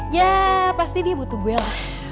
ya pasti dia butuh gue lah